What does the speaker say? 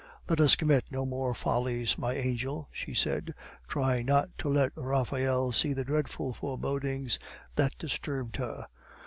"Let us commit no more follies, my angel," she said, trying not to let Raphael see the dreadful forebodings that disturbed her.